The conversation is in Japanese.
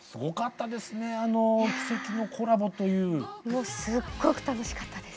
もうすっごく楽しかったです。